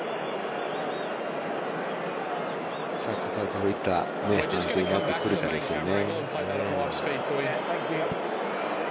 どういった判定になってくるかですよね。